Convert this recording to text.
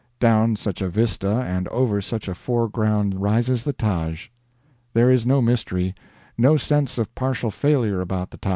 Down such a vista and over such a foreground rises the Taj. There is no mystery, no sense of partial failure about the Taj.